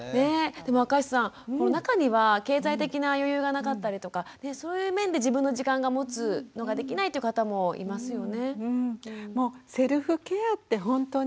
でも赤石さん中には経済的な余裕がなかったりとかそういう面で自分の時間を持つのができないという方もいますよね。